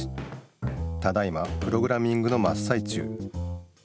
ただいまプログラミングのまっさい中。